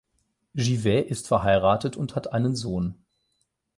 Givet ist verheiratet und hat einen Sohn.